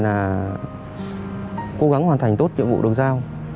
là cố gắng hoàn thành tốt nhiệm vụ được giao